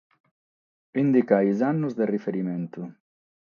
Indicare is annos de riferimentu.